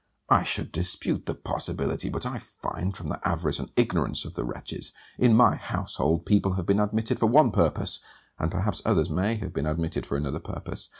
I should dispute the possibility; but I find, from the avarice and ignorance of the wretches; in my household, people have been admitted for one purpose, and perhaps others may have been admitted for another purpose.